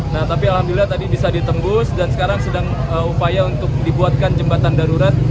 nah tapi alhamdulillah tadi bisa ditembus dan sekarang sedang upaya untuk dibuatkan jembatan darurat